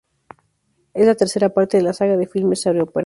Es la tercera parte de la saga de filmes "Aeropuerto".